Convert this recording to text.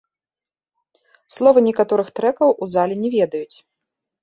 Словы некаторых трэкаў у зале не ведаюць.